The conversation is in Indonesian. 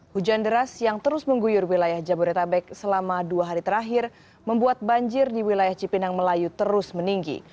hujan deras yang terus mengguyur wilayah jabodetabek selama dua hari terakhir membuat banjir di wilayah cipinang melayu terus meninggi